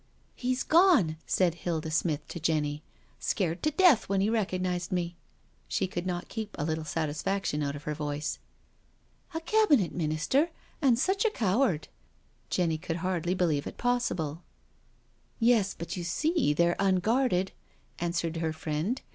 " He's gone," said Hilda Smith to Jenny. " Scared to death when he recognised me." She could not keep a little satisfaction out of her voice. "A Cabinet Minister, and such a coward I" Jenny could hardly believe it possible. " Yes, but you see they're unguarded," answered her friend.